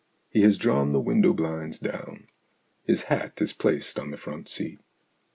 He has drawn the window blinds down. His hat is placed on the front seat.